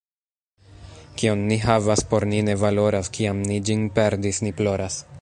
Kion ni havas, por ni ne valoras, — kiam ni ĝin perdis, ni ploras.